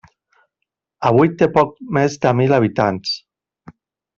Avui té poc més de mil habitants.